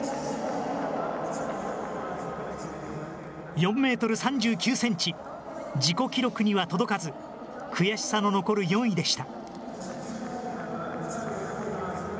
４メートル３９センチ、自己記録には届かず、悔しさの残る４位でした。